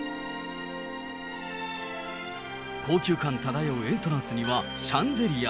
高級感漂うエントランスにはシャンデリア。